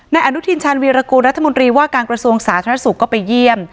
อนุทินชาญวีรกูลรัฐมนตรีว่าการกระทรวงสาธารณสุขก็ไปเยี่ยม